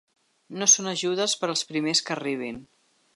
No són ajudes per als primers que arribin.